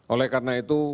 oleh karena itu